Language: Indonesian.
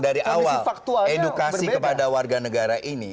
dari awal edukasi kepada warga negara ini